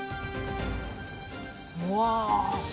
うわ！